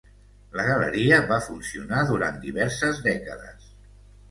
La galeria va funcionar durant diverses dècades.